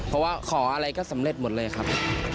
เพราะว่าขออะไรก็สำเร็จหมดเลยครับ